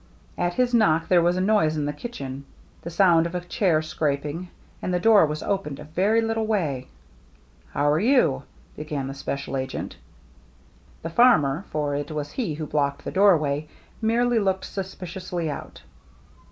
At his knock there was a noise in the kitchen, — the sound of a chair scrap ing, — and the door was opened a very little way. " How are you ?" began the special agent. 270 THE MERRr ANNE The farmer, for it was he who blocked the doorway, merely looked suspiciously out.